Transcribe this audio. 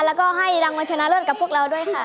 แล้วก็ให้รางวัลชนะเลิศกับพวกเราด้วยค่ะ